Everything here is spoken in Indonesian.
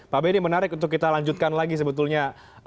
pak benny menarik untuk kita lanjutkan lagi sebetulnya